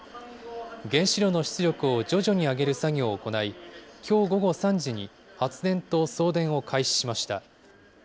原子炉の出力を徐々に上げる作業を行い、きょう午後３時に発電と送電を開始しました。